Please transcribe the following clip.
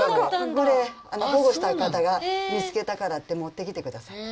これ保護した方が見つけたからって持って来てくださった。